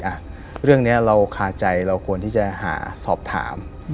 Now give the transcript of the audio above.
อ่ะเรื่องนี้เราคาใจเราควรที่จะหาสอบถาม